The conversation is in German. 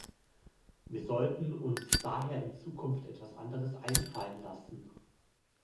Wir sollten uns daher in Zukunft etwas anderes einfallen lassen.